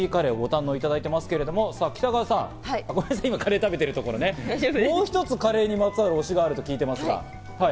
ＴＫＧカレーをご堪能いただいていますけれども、北川さん、ごめんなさい、カレーを食べていらっしゃるところ、もう一つ、カレーにまつわる推しがある聞いています。